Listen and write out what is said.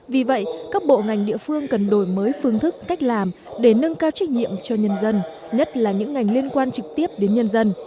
vì vậy các bộ ngành địa phương cần đổi mới phương thức cách làm để nâng cao trách nhiệm cho nhân dân nhất là những ngành liên quan trực tiếp đến nhân dân